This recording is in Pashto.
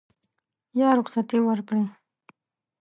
یا رخصت ورکړي.